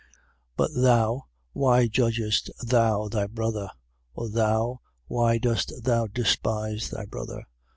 14:10. But thou, why judgest thou thy brother? Or thou, why dost thou despise thy brother?